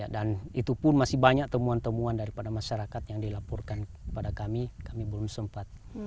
dan itu pun masih banyak temuan temuan daripada masyarakat yang dilaporkan kepada kami kami belum sempat